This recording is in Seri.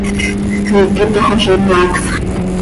Iiqui tojoz, imaacsx.